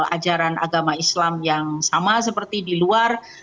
ajaran agama islam yang sama seperti di luar